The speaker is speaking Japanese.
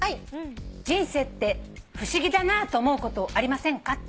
「人生って不思議だなと思うことありませんか？」